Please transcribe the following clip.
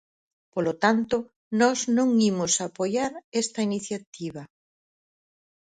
Polo tanto, nós non imos apoiar esta iniciativa.